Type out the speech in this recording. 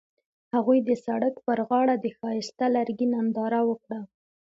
هغوی د سړک پر غاړه د ښایسته لرګی ننداره وکړه.